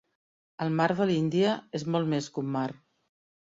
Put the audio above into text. El mar de l'Índia és molt més que un mar.